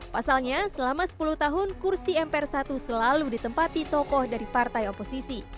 pasalnya selama sepuluh tahun kursi mpr satu selalu ditempati tokoh dari partai oposisi